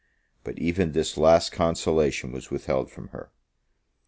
But even this last consolation was withheld from her!